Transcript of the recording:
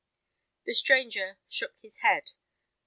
The stranger shook his Load.